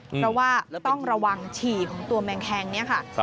เพราะว่าต้องระวังฉี่ของตัวแมงแคงเนี่ยค่ะ